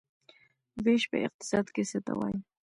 ویش په اقتصاد کې څه ته وايي؟